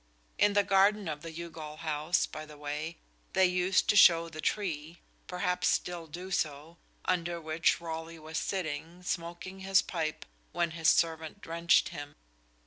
In the garden of the Youghal house, by the way, they used to show the tree perhaps still do so under which Raleigh was sitting, smoking his pipe, when his servant drenched him.